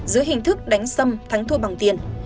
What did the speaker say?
đánh xâm thắng thua bằng tiền